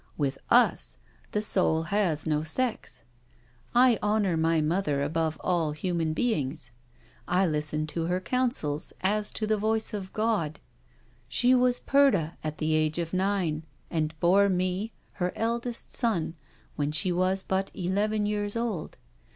With us, the soul has no sex. I honour my mother above all human beings *I listen to her coun* THE PASSING OF THE WOMEN 317 sels as to the voice of God. She was Purda at the age of nine, and bore me, her eldest born, when she was but eleven years old.